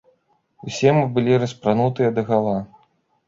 Усе мы былі распранутыя дагала.